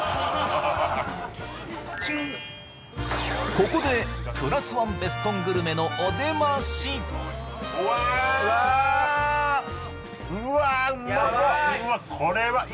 ここでプラスワンベスコングルメのおでましヤバい！